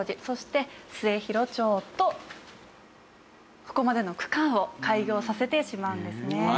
そして末広町とここまでの区間を開業させてしまうんですね。